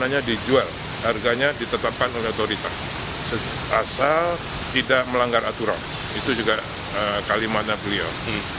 asal tidak melanggar aturan itu juga kalimatnya beliau